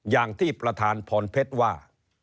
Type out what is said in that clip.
อย่างที่ประธานพรเพชรว่า